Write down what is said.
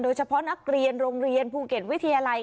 โดยเฉพาะนักเรียนโรงเรียนภูเก็ตวิทยาลัย